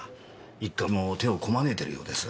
一課も手をこまねいているようです。